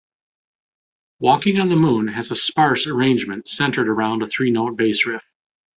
"Walking on the Moon" has a "sparse" arrangement, centred around a three-note bass riff.